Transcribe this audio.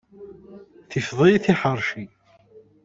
Tifeḍ-iyi tiḥeṛci.